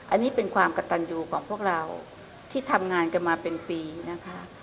อันนี้เป็นความกระตันยูของพวกเราที่ทำงานกันมาเป็นปีนะคะ